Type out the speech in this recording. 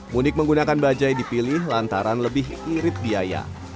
mudik menggunakan bajai dipilih lantaran lebih irit biaya